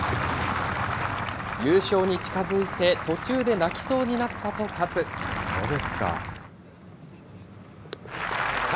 優勝に近づいて、途中で泣きそうになったと勝。